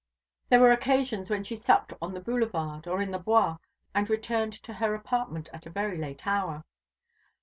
There were occasions when she supped on the Boulevard, or in the Bois, and returned to her apartment at a very late hour.